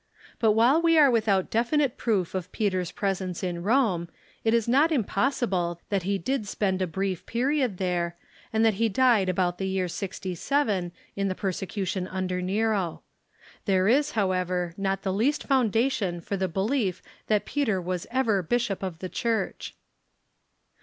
But Avhile we are Avithout definite j^roof of Peter's presence in Rome, it is not impossible that he did spend a brief period there, and that he died about the year 67, in the persecution under Nero. There is, hoAA ever, not the least foundation for the belief that Peter Avas ever bishop of the Church.